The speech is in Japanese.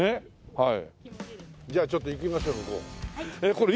はい。